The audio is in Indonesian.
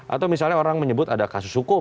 atau misalnya orang menyebut ada kasus hukum